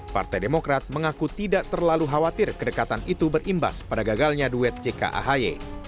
partai demokrat mengaku tidak terlalu khawatir kedekatan itu berimbas pada gagalnya duet jk ahy